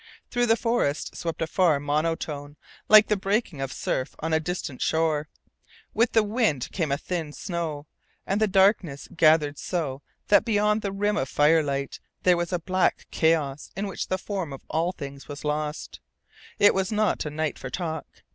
Through the forest swept a far monotone, like the breaking of surf on a distant shore. With the wind came a thin snow, and the darkness gathered so that beyond the rim of fire light there was a black chaos in which the form of all things was lost. It was not a night for talk.